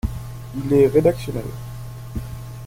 Il est rédactionnel.